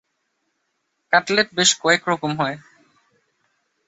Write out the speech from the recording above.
Cutlet বেশ কয়েক রকম হয়।